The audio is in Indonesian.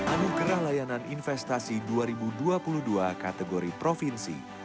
anugerah layanan investasi dua ribu dua puluh dua kategori provinsi